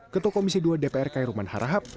ketua komisi dua dpr kairuman harahap